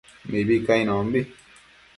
Mibi cainonbi